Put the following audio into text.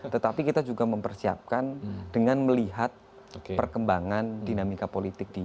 tetapi kita juga mempersiapkan dengan melihat perkembangan dinamika politik di